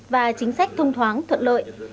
và chính sách thông thoáng thuận lợi